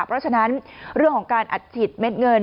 เพราะฉะนั้นเรื่องของการอัดฉีดเม็ดเงิน